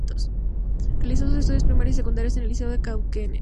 Realizó sus estudios primarios y secundarios en el Liceo de Cauquenes.